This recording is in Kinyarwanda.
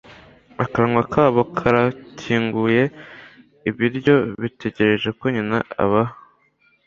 Akanwa kabo karakinguye ibiryo bategereje ko nyina abaha.